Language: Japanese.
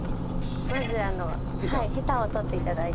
まずヘタを取って頂いて。